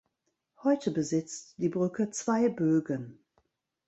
Heute besitzt die Brücke zwei Bögen.